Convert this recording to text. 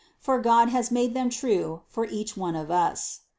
For God has made them true for each one of us.